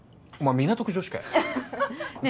港区女子かよねえ